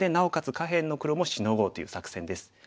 下辺の黒もシノごうという作戦です。